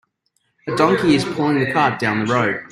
A donkey is pulling the cart down the road.